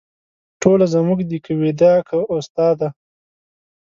ټوله زموږ دي که ویدا که اوستا ده